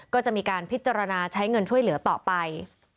ก็จะมีการพิจารณาใช้เงินช่วยเหลือต่อไป